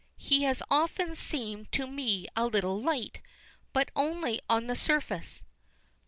He has often seemed to me a little light, but only on the surface."